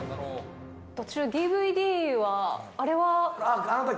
途中、ＤＶＤは、あれは。